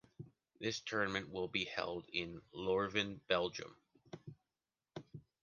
This tournament will be held in Leuven, Belgium.